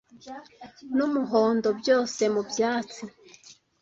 numuhondo byose mubyatsi